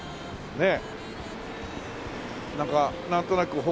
ねえ。